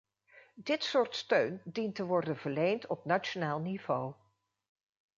Dit soort steun dient te worden verleend op nationaal niveau.